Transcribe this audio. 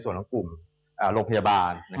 ส่วนเหล่ากลุ่มโรงพยาบาล